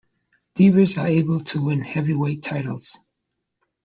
Divas are able to win heavyweight titles.